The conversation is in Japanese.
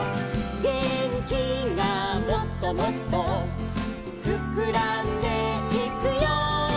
「げんきがもっともっとふくらんでいくよ」